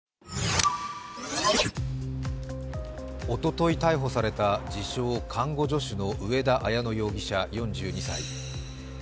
おととい逮捕された自称・看護助手の上田綾乃容疑者４２歳。